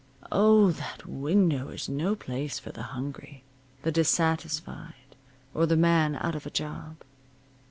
Oh, that window is no place for the hungry, the dissatisfied, or the man out of a job.